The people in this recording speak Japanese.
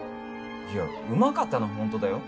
いやうまかったのはホントだよ。